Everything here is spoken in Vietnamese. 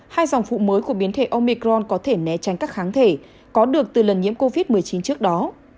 hai dòng phụ mới của biến thể omicron có thể né tránh các kháng thể có được từ lần nhiễm covid một mươi chín trước đó